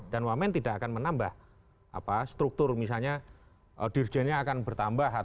dan wamen tidak akan menambah struktur misalnya dirjennya akan bertambah